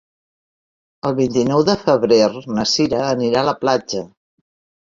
El vint-i-nou de febrer na Sira anirà a la platja.